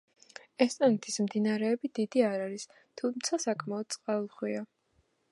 ესტონეთის მდინარეები დიდი არ არის, თუმცა საკმაოდ წყალუხვია.